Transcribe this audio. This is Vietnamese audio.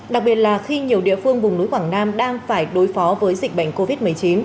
đặc biệt là khi nhiều địa phương vùng núi quảng nam đang phải đối phó với dịch bệnh covid một mươi chín